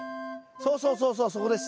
そうそうそうそうそこです。